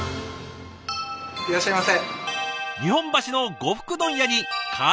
いらっしゃいませ。